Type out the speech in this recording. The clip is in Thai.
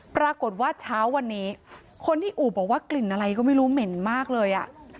ปรากฏว่าเช้าวันนี้คนที่อู่บอกว่ากลิ่นอะไรก็ไม่รู้เหม็นมากเลยอ่ะ